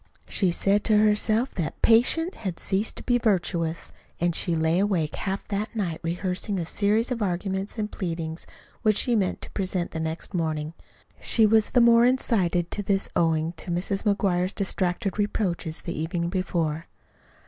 She said to herself that "patience had ceased to be virtuous," and she lay awake half that night rehearsing a series of arguments and pleadings which she meant to present the next morning. She was the more incited to this owing to Mrs. McGuire's distracted reproaches the evening before.